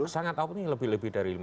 sangat optimis lebih dari lima puluh